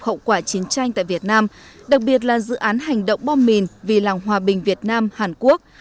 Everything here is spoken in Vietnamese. hậu quả chiến tranh tại việt nam đặc biệt là dự án hành động bom mìn vì làng hòa bình việt nam hàn quốc